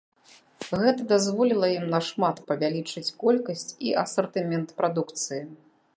Гэта дазволіла ім нашмат павялічыць колькасць і асартымент прадукцыі.